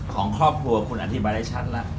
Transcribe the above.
ของครอบครัวคุณอธิบายได้ชัดแล้ว